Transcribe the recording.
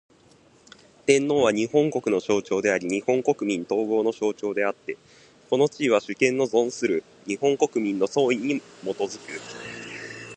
天皇は、日本国の象徴であり日本国民統合の象徴であつて、この地位は、主権の存する日本国民の総意に基く。